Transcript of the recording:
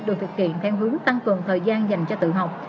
được thực hiện theo hướng tăng cường thời gian dành cho tự học